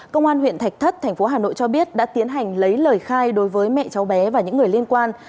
công an huyện thạch thất thành phố hà nội cho biết đã tiến hành lấy lời khai đối với mẹ cháu bé và những người liên quan